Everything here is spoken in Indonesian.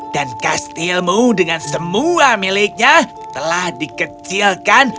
dan kastilmu dengan semua miliknya telah dikecilkan